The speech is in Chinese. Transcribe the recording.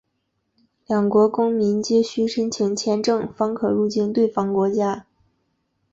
两国公民皆须申请签证方可入境对方国家。